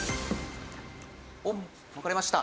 おっ分かれました。